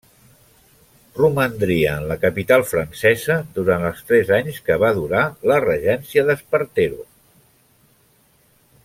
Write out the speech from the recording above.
Romandria en la capital francesa durant els tres anys que va durar la regència d'Espartero.